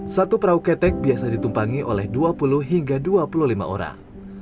satu perahu ketek biasa ditumpangi oleh dua puluh hingga dua puluh lima orang